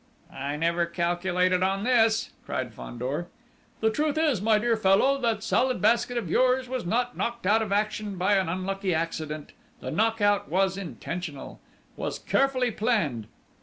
"I never calculated on this!" cried Fandor. "The truth is, my dear fellow, that Salad Basket of yours was not knocked out of action by an unlucky accident the knock out was intentional was carefully planned!